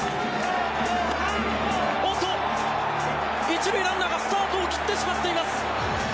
おっと、１塁ランナーがスタートを切ってしまっています。